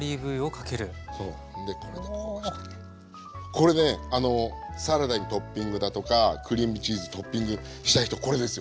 これねサラダにトッピングだとかクリームチーズトッピングしたい人これですよ